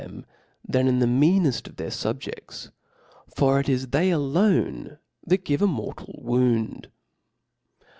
^"' them th^ in the meaneft of their fubjefts^ foir it ^ is tKey alone that give a moi tal wound.